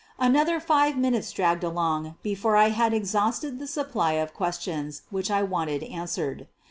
Another five minutes dragged along before I had exhausted the supply of questions which I wanted answered.